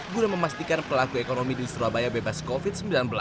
guna memastikan pelaku ekonomi di surabaya bebas covid sembilan belas